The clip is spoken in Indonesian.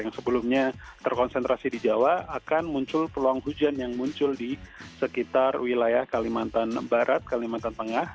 yang sebelumnya terkonsentrasi di jawa akan muncul peluang hujan yang muncul di sekitar wilayah kalimantan barat kalimantan tengah